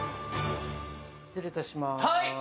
失礼いたします。